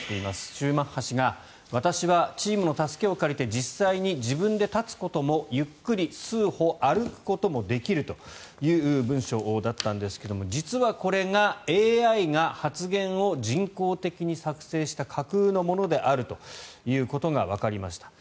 シューマッハ氏が私はチームの助けを借りて実際に自分で立つこともゆっくり数歩歩くこともできるという文章だったんですけども実はこれはＡＩが発言を人工的に作成した架空のものであるということがわかりました。